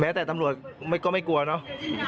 แต่ตำรวจก็ไม่กลัวเนอะ